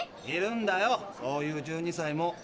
いるんだよそういう１２歳も。